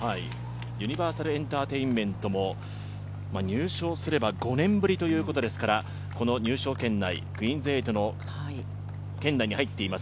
ユニバーサルエンターテインメントも入賞すれば５年ぶりということですから、この入賞圏内、クイーンズ８の圏内に入っています。